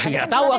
ya tau aku